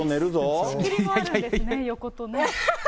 仕切りもあるんですね、横と。